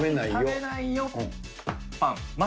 食べないよ、ぱん。